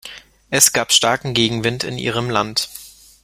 Es gab starken Gegenwind in Ihrem Land.